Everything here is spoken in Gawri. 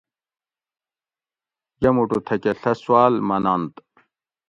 یہ مُٹو تھکہۤ ڷہ سواۤل مننت